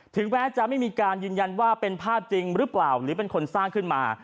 ถึงแม้จะไม่มีการยืนยันว่าเป็นภาพจริงหรือเปล่าหรือเป็นคนสร้างขึ้นมา